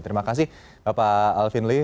terima kasih bapak alvin lee